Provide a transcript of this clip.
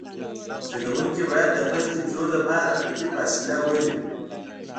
چلوونکی باید د مخکې تلو لپاره خوندي فاصله ولري